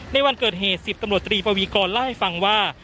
ในวันเกิดเหตุ๑๐ตำรวจตรีปวีกรเล่าให้ฟังว่า